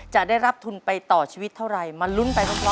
จะได้รับทุนไปต่อชีวิตเท่าไรมาลุ้นไปพร้อม